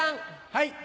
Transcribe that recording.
はい。